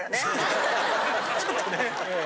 ちょっとね。